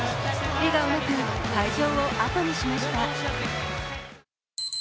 笑顔なく会場を後にしました。